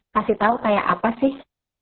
kasih tau kayak apa sih